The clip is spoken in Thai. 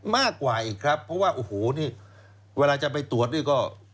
มากกว่าอีกครับเพราะว่าเวลาจะไปตรวจด้วยก็